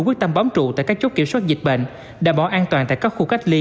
quyết tâm bám trụ tại các chốt kiểm soát dịch bệnh đảm bảo an toàn tại các khu cách ly